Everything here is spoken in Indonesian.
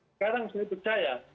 sekarang saya percaya